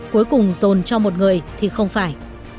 cuối cùng dồn cho một người thì không phải